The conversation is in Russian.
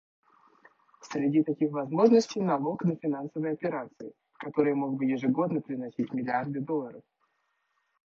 Среди таких возможностей налог на финансовые операции, который мог бы ежегодно приносить миллиарды долларов.